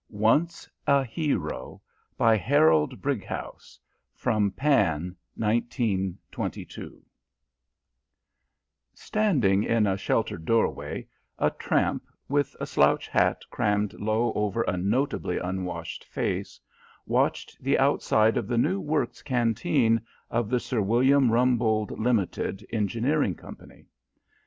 ONCE A HERO By HAROLD BRIGHOUSE (From Pan) 1922 Standing in a sheltered doorway a tramp, with a slouch hat crammed low over a notably unwashed face, watched the outside of the new works canteen of the Sir William Rumbold Ltd., Engineering Company.